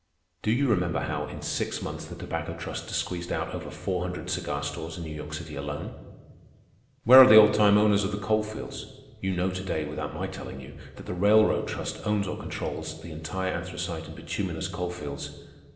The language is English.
Do you remember how, in six months, the Tobacco Trust squeezed out over four hundred cigar stores in New York City alone? Where are the old time owners of the coal fields? You know today, without my telling you, that the Railroad Trust owns or controls the entire anthracite and bituminous coal fields.